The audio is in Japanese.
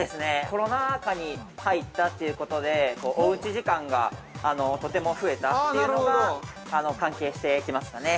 コロナ禍に入ったということでおうち時間がとても増えたというのが関係してきますかね。